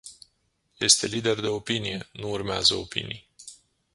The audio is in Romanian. Este lider de opinie, nu urmează opinii.